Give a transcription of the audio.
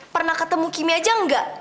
pernah ketemu kimi aja nggak